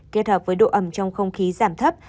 kết hợp với độ ẩm trong không khí giảm thấp